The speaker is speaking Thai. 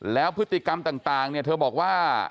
แล้วพฤติกรรมต่างเนี่ยเธอบอกว่า